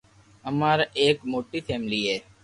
امارآ ايڪ موٽي فآملي ھي